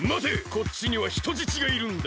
こっちにはひとじちがいるんだ。